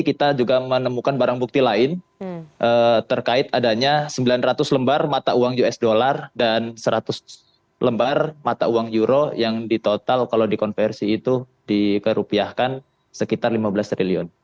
kita juga menemukan barang bukti lain terkait adanya sembilan ratus lembar mata uang usd dan seratus lembar mata uang euro yang di total kalau dikonversi itu dikerupiahkan sekitar lima belas triliun